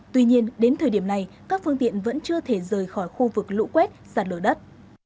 tuy nhiên đến thời điểm này các phương tiện vẫn chưa thể rời khỏi khu vực lũ quét sạt lở đất